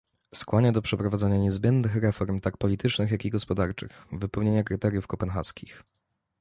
Skłania do przeprowadzania niezbędnych reform tak politycznych, jak i gospodarczych, wypełnienia kryteriów kopenhaskich